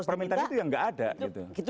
permintaan itu yang gak ada gitu